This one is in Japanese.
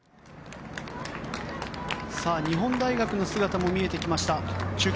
日本大学の姿も見えてきました。